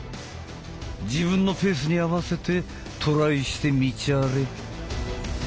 自分のペースに合わせてトライしてみちゃれ。